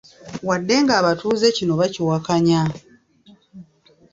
Wadde ng'abatuuze kino bakiwakanya.